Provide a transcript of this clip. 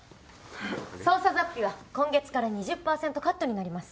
捜査雑費は今月から２０％カットになります。